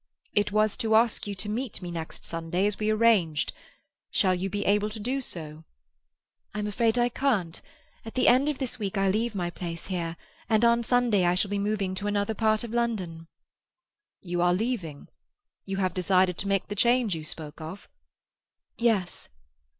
"It was to ask you to meet me next Sunday, as we arranged. Shall you be able to do so?" "I'm afraid I can't. At the end of this week I leave my place here, and on Sunday I shall be moving to another part of London." "You are leaving? You have decided to make the change you spoke of?" "Yes."